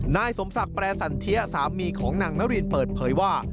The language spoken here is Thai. นายสมศักดิ์แปรสันเทียสามีของนางนารินเปิดเผยว่า